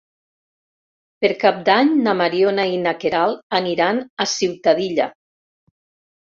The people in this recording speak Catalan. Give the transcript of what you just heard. Per Cap d'Any na Mariona i na Queralt aniran a Ciutadilla.